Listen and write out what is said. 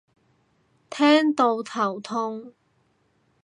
聽到頭痛